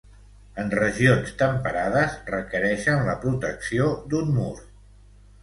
En regions temperades, requereixen la protecció d'un mur.